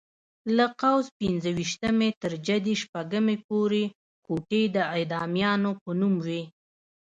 له قوس پنځه ویشتمې تر جدي شپږمې زموږ کوټې د اعدامیانو په نوم وې.